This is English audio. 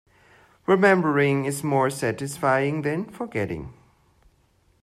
Remembering is more satisfying than forgetting.